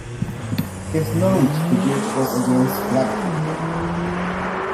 His Norwich debut was against Blackpool.